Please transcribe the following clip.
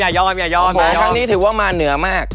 ครั้งนี้ถือว่ามาเหนือมาก